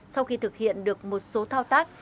sau khi thực hiện được một số thao tác